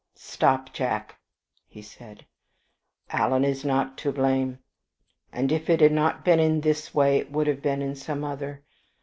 "'Stop, Jack,' he said; 'Alan is not to blame; and if it had not been in this way, it would have been in some other.